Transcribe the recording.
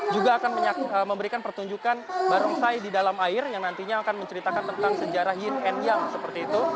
juga akan memberikan pertunjukan barongsai di dalam air yang nantinya akan menceritakan tentang sejarah yin and young seperti itu